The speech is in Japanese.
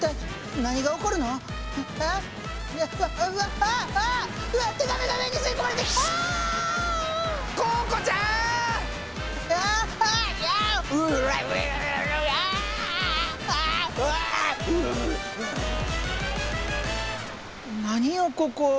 何よここ？